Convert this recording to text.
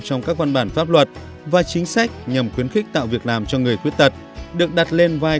trong các văn bản pháp luật và chính sách nhằm khuyến khích tạo việc làm cho người khuyết tật được đặt lên vai